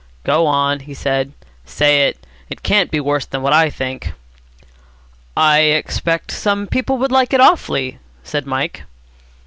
"Go on," he said. "Say it. It can't be worse than what I think." "I expect some people would like it awfully," said Mike.